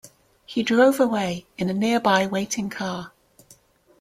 He drove away in a nearby waiting car.